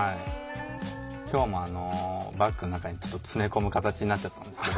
今日もバッグの中にちょっと詰め込む形になっちゃったんですけど。